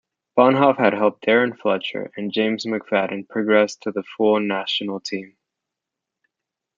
Bonhof had helped Darren Fletcher and James McFadden progress to the full national team.